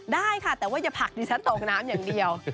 ได้ค่ะแต่ว่าอย่าผลักดิฉันตกน้ำอย่างเดียว